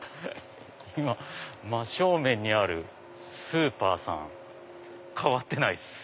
今真正面にあるスーパーさん変わってないです。